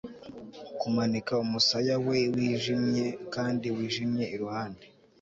Kumanika umusaya we wijimye kandi wijimye iruhande